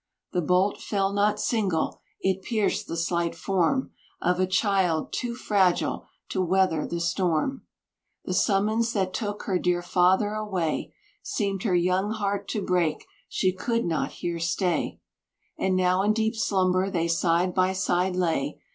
The bolt fell not single, it pierced the slight form Of a child, too fragile to weather the storm; The summons that took her dear father away Seemed her young heart to break, she could not here stay, And now in deep slumber they side by side lay.